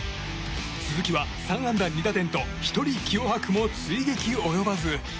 鈴木は３安打２打点と１人、気を吐くも追撃及ばず。